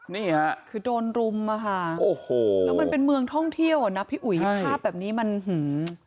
นี่ฮะโอ้โหมันเป็นเมืองท่องเที่ยวนะพี่อุ๋ยค่าแบบนี้มันเหมือน